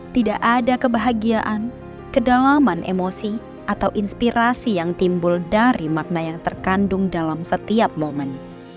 tidak ada kebahagiaan kedalaman emosi atau inspirasi yang timbul dari makna yang terkandung dalam setiap momen